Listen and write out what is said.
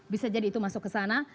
bisa jadi itu masuk ke sana